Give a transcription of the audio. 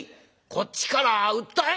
こっちから訴えるよ」。